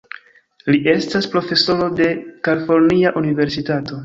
Li estas profesoro de Kalifornia Universitato.